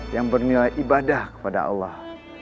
yang bernilai ibadah kepada allah